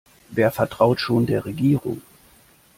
Wer vertraut schon der Regierung?